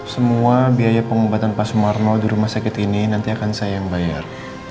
semua biaya pengobatan pak sumarno di rumah sakit ini nanti akan saya yang bayar